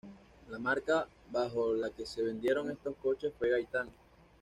La marca bajo la que se vendieron estos coches fue Gaitán.